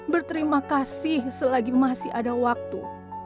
berterima kasih selagi masih ada waktu